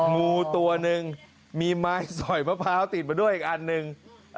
งูตัวหนึ่งมีไม้สอยมะพร้าวติดมาด้วยอีกอันหนึ่ง